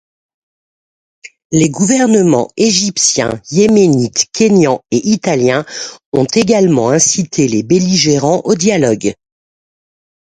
Les gouvernements égyptien, yéménite, kényan et italien ont également incité les belligérants au dialogue.